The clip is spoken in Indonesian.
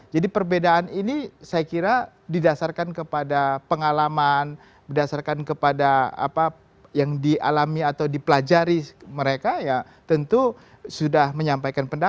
jadi perbedaan ini saya kira didasarkan kepada pengalaman berdasarkan kepada apa yang dialami atau dipelajari mereka ya tentu sudah menyampaikan